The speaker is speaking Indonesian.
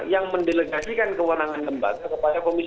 yang mendelegasikan kewenangan lembaga kepada komisi